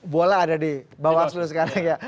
bola ada di bawaslu sekarang ya